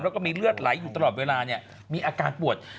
แล้วก็มีเลือดไหลอยู่ตลอดเวลาเนี่ยมีอาการปวด